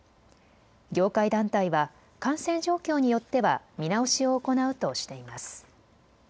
業界団体は感染状況によっては見直しを行うとしています。